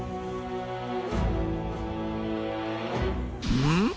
うん？